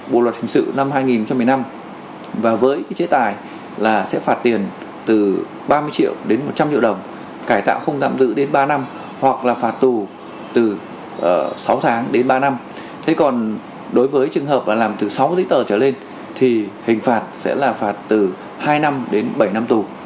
phạt sẽ là phạt từ hai năm đến bảy năm tù